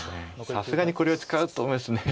さすがにこれは使うと思います。